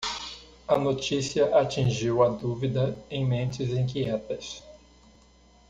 A notícia atingiu a dúvida em mentes inquietas.